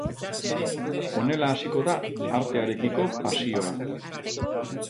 Honela hasiko da artearekiko pasioa.